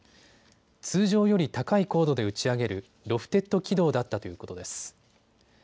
通常より高い高度で打ち上げるロフテッド軌道だったということです。